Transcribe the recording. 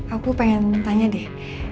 aku pengen tanya deh